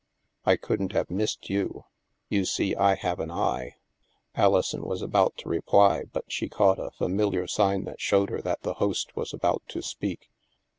I couldn't have missed you. You see, I have an eye." Alison was about to reply, but she caught a fa miliar sign that 'showed her that the host was about to speak.